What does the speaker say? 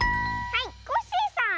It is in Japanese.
はいコッシーさん！